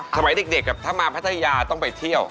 สมัยเด็กถ้ามาพัทยาต้องไปเที่ยว